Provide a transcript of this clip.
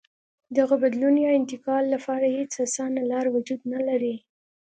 دغه بدلون یا انتقال لپاره هېڅ اسانه لار وجود نه لري.